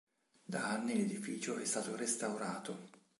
Da anni l'edificio è stato restaurato.